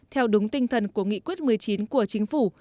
theo đúng tinh thần của nghị quyết một mươi chín của chính phủ